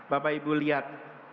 bapak ibu lihat